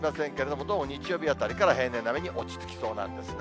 も、どうも日曜日あたりから平年並みに落ち着きそうなんですね。